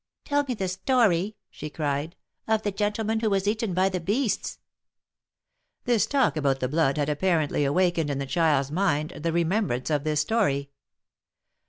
" Tell me the story," she cried, " of the gentleman who was eaten by the beasts !" This talk about the blood had apparently awakened in the child's mind the remembrance of this story.